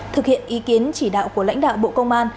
thực hiện ý kiến chỉ đạo của lãnh đạo bộ công an